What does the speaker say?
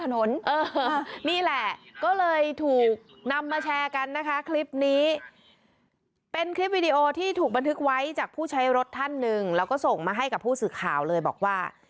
นี่แหละก็เลยถูกนำมาแชร์กันนะคะคลิปนี้เป็นคลิปวิดีโอที่ถูกบันทึกไว้จากผู้ใช้รถท่านหนึ่งแล้วก็ส่งมาให้กับผู้สื่อข่าวเลยบอกว่า